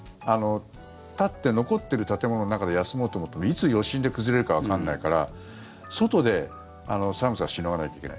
立って、残っている建物の中で休もうと思ってもいつ余震で崩れるかわかんないから外で寒さをしのがなきゃいけない。